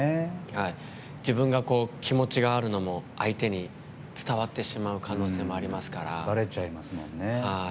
自分が気持ちがあるのも相手に伝わってしまう可能性もありますから。